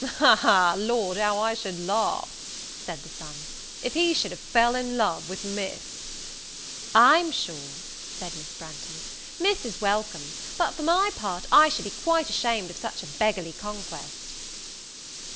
"Ha, ha, ha! Lord, how I should laugh," said the son, "if he should have fell in love with Miss!" "I'm sure," said Miss Branghton, "Miss is welcome; but, for my part, I should be quite ashamed of such a beggarly conquest."